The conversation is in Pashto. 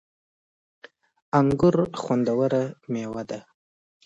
انګور خوندوره مېوه ده